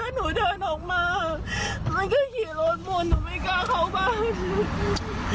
หนูไม่กล้าเข้าบ้าน